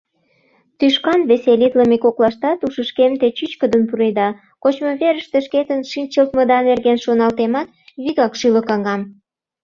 Тӱшкан веселитлыме коклаштат ушышкем те чӱчкыдын пуреда, кочмыверыште шкетын шинчылтмыда нерген шоналтемат, вигак шӱлыкаҥам.